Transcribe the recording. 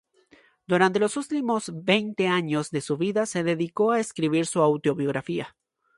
Durante los últimos veinte años de su vida se dedicó a escribir su autobiografía.